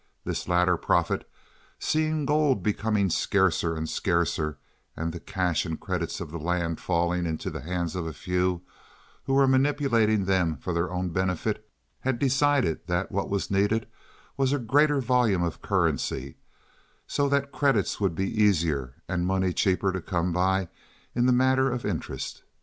This latter prophet, seeing gold becoming scarcer and scarcer and the cash and credits of the land falling into the hands of a few who were manipulating them for their own benefit, had decided that what was needed was a greater volume of currency, so that credits would be easier and money cheaper to come by in the matter of interest.